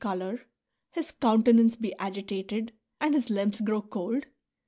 colour/ his countenance be agitated^ and his hmbs grow cold